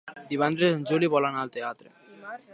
Divendres en Juli vol anar al teatre.